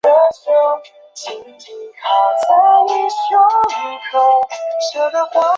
他在拜仁的第一个赛季也使他赢得了德国足球先生的荣誉。